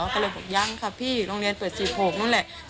ก็เลยบอกยังค่ะพี่โรงเรียนเปิด๑๖นู่นแหละ